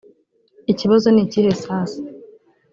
Ikibazo nikihe sasa